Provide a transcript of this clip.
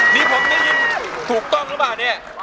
นี่ผมได้ยินถูกต้องหรือเปล่าเนี่ย